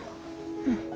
うん。